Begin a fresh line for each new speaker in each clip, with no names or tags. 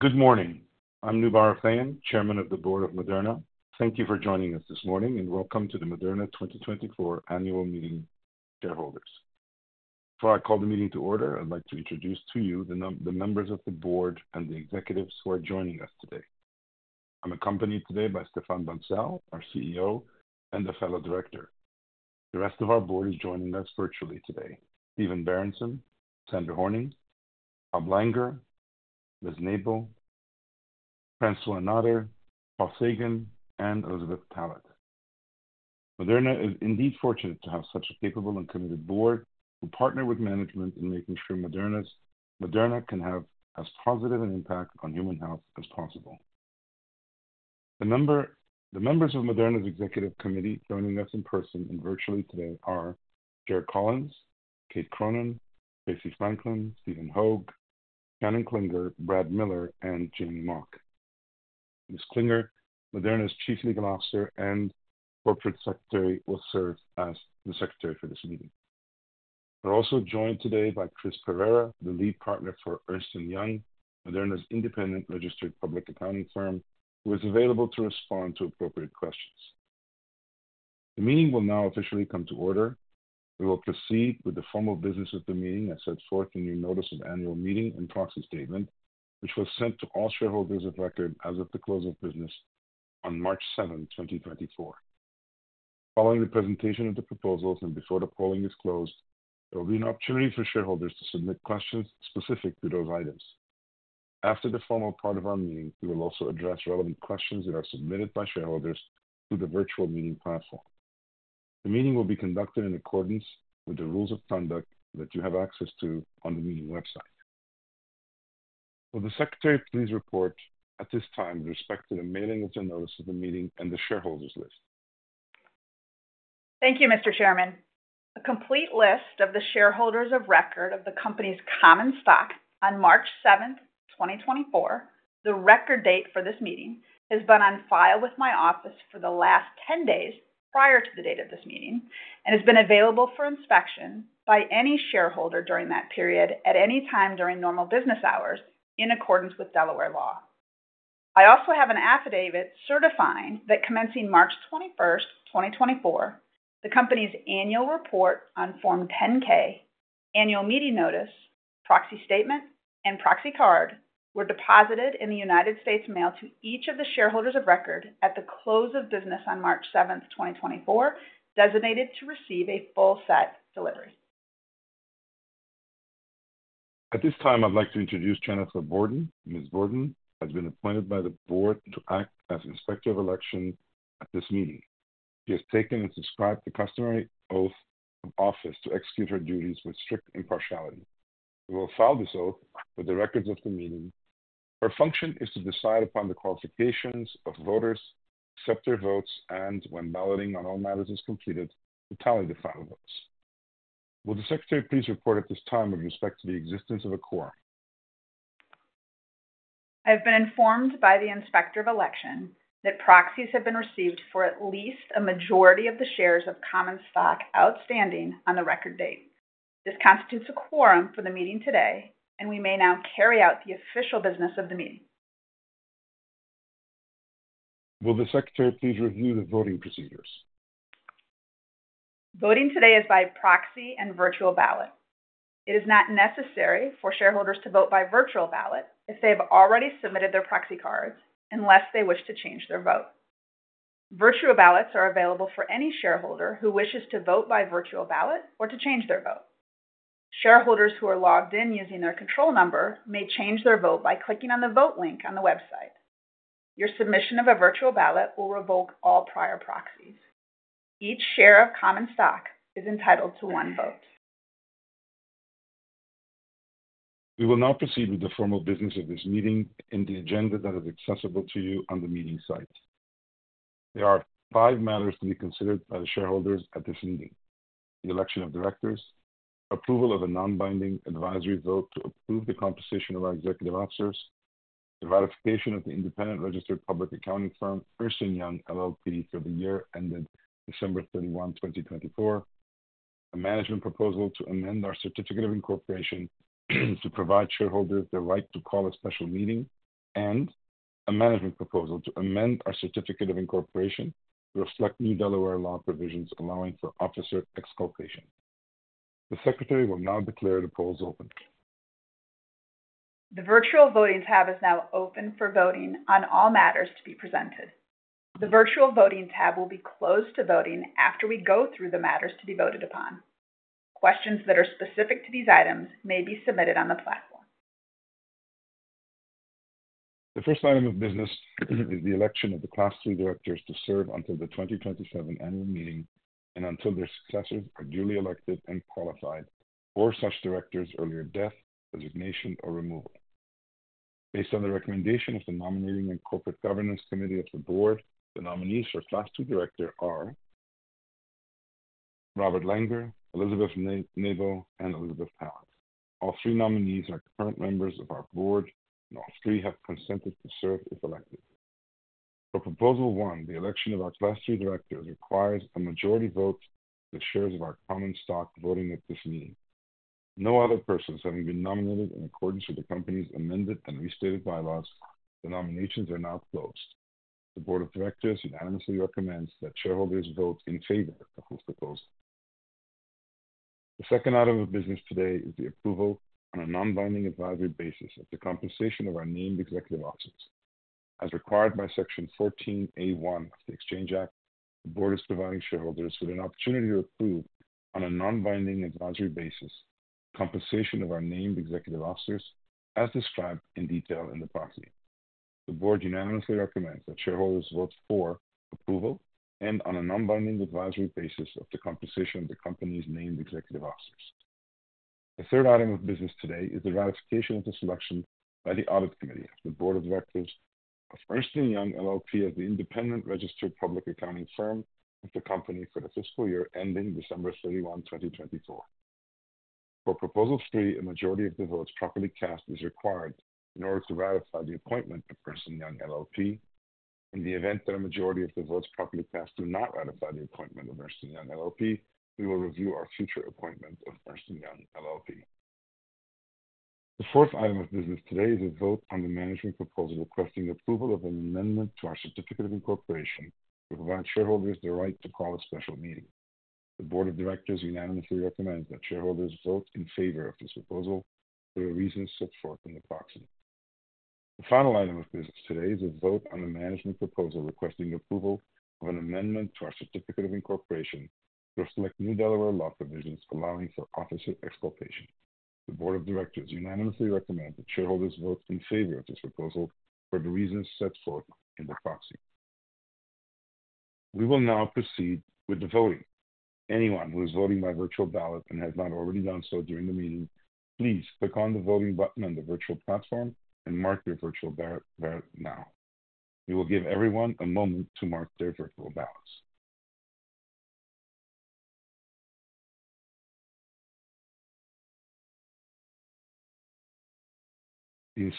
Good morning. I'm Noubar Afeyan, Chairman of the Board of Moderna. Thank you for joining us this morning, and welcome to the Moderna 2024 annual meeting, shareholders. Before I call the meeting to order, I'd like to introduce to you the members of the board and the executives who are joining us today. I'm accompanied today by Stéphane Bancel, our CEO, and a fellow director. The rest of our board is joining us virtually today: Stephen Berenson, Sandra Horning, Paul Sagan, Liz Nabel, François Nader, Paul Sagan, and Elizabeth Tallett. Moderna is indeed fortunate to have such a capable and committed board who partner with management in making sure Moderna's Moderna can have as positive an impact on human health as possible. Now, the members of Moderna's executive committee joining us in person and virtually today are Jerh Collins, Kate Cronin, Tracey Franklin, Stephen Hoge, Shannon Klinger, Brad Miller, and Jamey Mock. Ms. Klinger, Moderna's Chief Legal Officer and Corporate Secretary, will serve as the secretary for this meeting. We're also joined today by Chris Pereira, the lead partner for Ernst & Young, Moderna's independent registered public accounting firm, who is available to respond to appropriate questions. The meeting will now officially come to order. We will proceed with the formal business of the meeting as set forth in your notice of annual meeting and proxy statement, which was sent to all shareholders of record as of the close of business on March 7, 2024. Following the presentation of the proposals and before the polling is closed, there will be an opportunity for shareholders to submit questions specific to those items. After the formal part of our meeting, we will also address relevant questions that are submitted by shareholders through the virtual meeting platform. The meeting will be conducted in accordance with the rules of conduct that you have access to on the meeting website. Will the secretary please report, at this time, respecting the mailing of the notice of the meeting and the shareholders list?
Thank you, Mr. Chairman. A complete list of the shareholders of record of the company's common stock on March 7th, 2024, the record date for this meeting, has been on file with my office for the last 10 days prior to the date of this meeting and has been available for inspection by any shareholder during that period at any time during normal business hours in accordance with Delaware law. I also have an affidavit certifying that commencing March 21st, 2024, the company's annual report on Form 10-K, annual meeting notice, proxy statement, and proxy card were deposited in the United States mail to each of the shareholders of record at the close of business on March 7th, 2024, designated to receive a full set delivery.
At this time, I'd like to introduce Jennifer Burden. Ms. Burden has been appointed by the board to act as inspector of election at this meeting. She has taken and subscribed to the customary oath of office to execute her duties with strict impartiality. She will file this oath for the records of the meeting. Her function is to decide upon the qualifications of voters, accept their votes, and, when balloting on all matters is completed, to tally the final votes. Will the secretary please report at this time with respect to the existence of a quorum?
I have been informed by the inspector of election that proxies have been received for at least a majority of the shares of common stock outstanding on the record date. This constitutes a quorum for the meeting today, and we may now carry out the official business of the meeting.
Will the secretary please review the voting procedures?
Voting today is by proxy and virtual ballot. It is not necessary for shareholders to vote by virtual ballot if they have already submitted their proxy cards unless they wish to change their vote. Virtual ballots are available for any shareholder who wishes to vote by virtual ballot or to change their vote. Shareholders who are logged in using their control number may change their vote by clicking on the vote link on the website. Your submission of a virtual ballot will revoke all prior proxies. Each share of common stock is entitled to one vote.
We will now proceed with the formal business of this meeting and the agenda that is accessible to you on the meeting site. There are five matters to be considered by the shareholders at this meeting: the election of directors, approval of a non-binding advisory vote to approve the compensation of our executive officers, the ratification of the independent registered public accounting firm, Ernst & Young LLP, for the year ended December 31, 2024, a management proposal to amend our certificate of incorporation to provide shareholders the right to call a special meeting, and a management proposal to amend our certificate of incorporation to reflect new Delaware law provisions allowing for officer exculpation. The secretary will now declare the polls open.
The virtual voting tab is now open for voting on all matters to be presented. The virtual voting tab will be closed to voting after we go through the matters to be voted upon. Questions that are specific to these items may be submitted on the platform.
The first item of business is the election of the Class III directors to serve until the 2027 annual meeting and until their successors are duly elected and qualified, or such directors' earlier death, resignation, or removal. Based on the recommendation of the Nominating and Corporate Governance Committee of the board, the nominees for Class III Director are Robert Langer, Elizabeth Nabel, and Elizabeth Tallett. All three nominees are current members of our board, and all three have consented to serve if elected. For Proposal 1, the election of our Class III directors requires a majority vote for the shares of our common stock voting at this meeting. No other persons having been nominated in accordance with the company's amended and restated bylaws. The nominations are now closed. The Board of Directors unanimously recommends that shareholders vote in favor of this proposal. The second item of business today is the approval on a non-binding advisory basis of the compensation of our named executive officers. As required by Section 14 A1 of the Exchange Act, the board is providing shareholders with an opportunity to approve on a non-binding advisory basis the compensation of our named executive officers as described in detail in the proxy. The board unanimously recommends that shareholders vote for approval and on a non-binding advisory basis of the compensation of the company's named executive officers. The third item of business today is the ratification of the selection by the Audit Committee of the Board of Directors of Ernst & Young LLP as the independent registered public accounting firm of the company for the fiscal year ending December 31, 2024. For Proposal three, a majority of the votes properly cast is required in order to ratify the appointment of Ernst & Young LLP. In the event that a majority of the votes properly cast do not ratify the appointment of Ernst & Young LLP, we will review our future appointment of Ernst & Young LLP. The fourth item of business today is a vote on the management proposal requesting approval of an amendment to our certificate of incorporation to provide shareholders the right to call a special meeting. The Board of Directors unanimously recommends that shareholders vote in favor of this proposal for the reasons set forth in the proxy. The final item of business today is a vote on the management proposal requesting approval of an amendment to our certificate of incorporation to reflect new Delaware law provisions allowing for officer exculpation. The Board of Directors unanimously recommends that shareholders vote in favor of this proposal for the reasons set forth in the proxy. We will now proceed with the voting. Anyone who is voting by virtual ballot and has not already done so during the meeting, please click on the voting button on the virtual platform and mark your virtual ballot now. We will give everyone a moment to mark their virtual ballots. The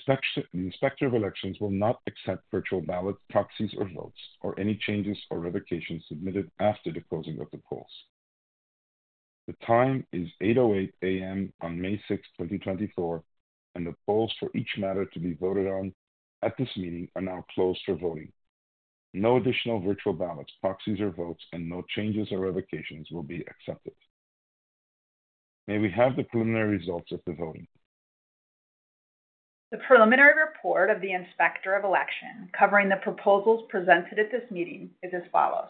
inspector of elections will not accept virtual ballots, proxies, or votes, or any changes or revocations submitted after the closing of the polls. The time is 8:08 A.M. on May 6, 2024, and the polls for each matter to be voted on at this meeting are now closed for voting. No additional virtual ballots, proxies, or votes, and no changes or revocations will be accepted. May we have the preliminary results of the voting?
The preliminary report of the inspector of election covering the proposals presented at this meeting is as follows.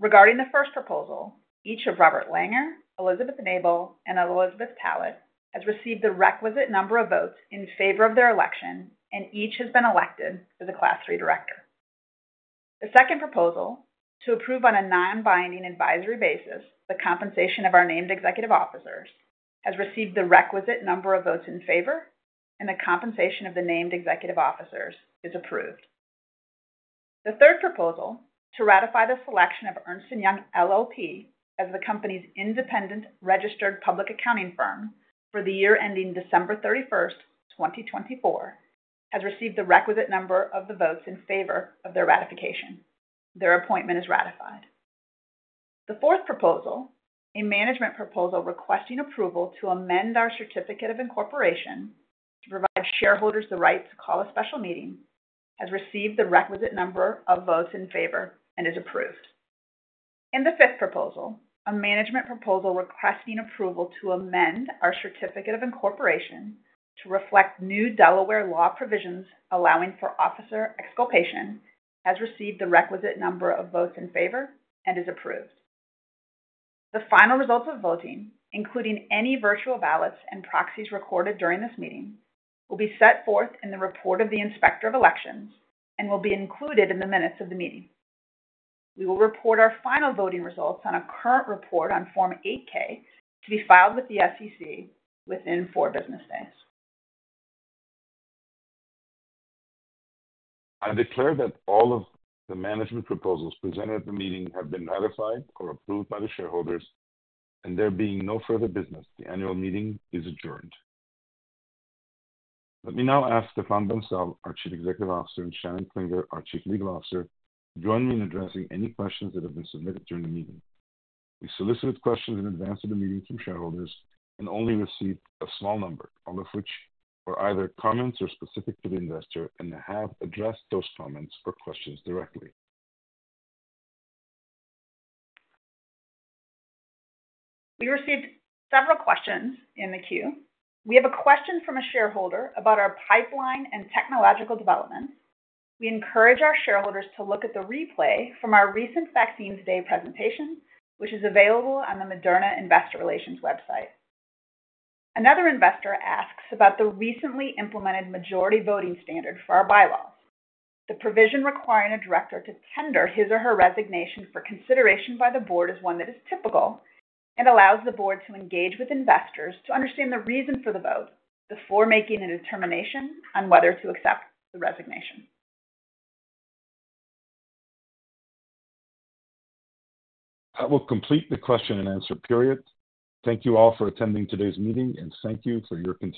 Regarding the first proposal, each of Robert Langer, Elizabeth Nabel, and Elizabeth Tallett has received the requisite number of votes in favor of their election, and each has been elected as a Class III Director. The second proposal, to approve on a non-binding advisory basis the compensation of our named executive officers, has received the requisite number of votes in favor, and the compensation of the named executive officers is approved. The third proposal, to ratify the selection of Ernst & Young LLP as the company's independent registered public accounting firm for the year ending December 31st, 2024, has received the requisite number of the votes in favor of their ratification. Their appointment is ratified. The fourth proposal, a management proposal requesting approval to amend our certificate of incorporation to provide shareholders the right to call a special meeting, has received the requisite number of votes in favor and is approved. The fifth proposal, a management proposal requesting approval to amend our certificate of incorporation to reflect new Delaware law provisions allowing for officer exculpation, has received the requisite number of votes in favor and is approved. The final results of voting, including any virtual ballots and proxies recorded during this meeting, will be set forth in the report of the inspector of elections and will be included in the minutes of the meeting. We will report our final voting results on a current report on Form 8-K to be filed with the SEC within four business days.
I declare that all of the management proposals presented at the meeting have been ratified or approved by the shareholders, and there being no further business, the annual meeting is adjourned. Let me now ask Stéphane Bancel, our Chief Executive Officer, and Shannon Klinger, our Chief Legal Officer, to join me in addressing any questions that have been submitted during the meeting. We solicited questions in advance of the meeting from shareholders and only received a small number, all of which were either comments or specific to the investor, and have addressed those comments or questions directly.
We received several questions in the queue. We have a question from a shareholder about our pipeline and technological developments. We encourage our shareholders to look at the replay from our recent Vaccines Day presentation, which is available on the Moderna Investor Relations website. Another investor asks about the recently implemented majority voting standard for our bylaws. The provision requiring a director to tender his or her resignation for consideration by the board is one that is typical and allows the board to engage with investors to understand the reason for the vote before making a determination on whether to accept the resignation.
That will complete the question and answer. Thank you all for attending today's meeting, and thank you for your.